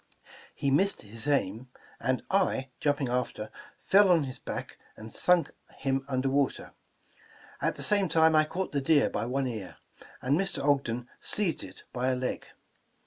He missed his aim, and I, jumping after, fell on his back and sunk him under water. At the same time I caught the deer by one ear, and Mr. Ogden seized it by a leg.